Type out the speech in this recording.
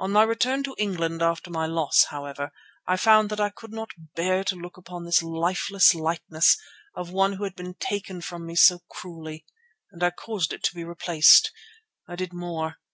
On my return to England after my loss, however, I found that I could not bear to look upon this lifeless likeness of one who had been taken from me so cruelly, and I caused it to be replaced. I did more.